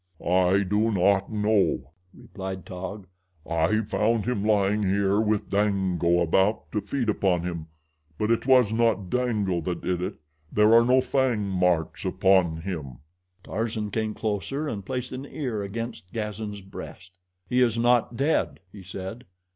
"I do not know," replied Taug. "I found him lying here with Dango about to feed upon him; but it was not Dango that did it there are no fang marks upon him." Tarzan came closer and placed an ear against Gazan's breast. "He is not dead," he said.